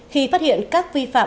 khi phát hiện các vi phạm